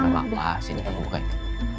enggak apa apa sini aku buka ya